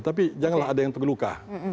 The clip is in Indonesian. tapi janganlah ada yang tergeluka